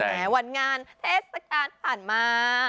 ใช่ไหมวันงานเทศกาลผ่านมา